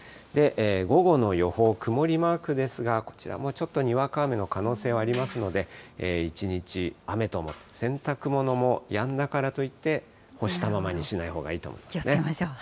午後の予報、曇りマークですが、こちらもちょっとにわか雨の可能性はありますので、１日雨と、洗濯物もやんだからといって干したままにしないほうがいいと思いますね。